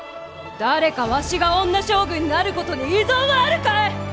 誰かわしが女将軍になることに異存はあるかえ！